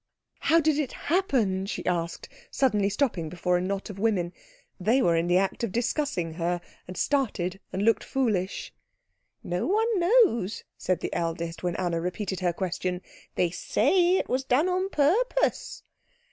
"How did it happen?" she asked, suddenly stopping before a knot of women. They were in the act of discussing her, and started and looked foolish. "No one knows," said the eldest, when Anna repeated her question. "They say it was done on purpose."